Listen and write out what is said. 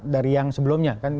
dari yang sebelumnya kan